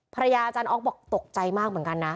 อาจารย์อ๊อกบอกตกใจมากเหมือนกันนะ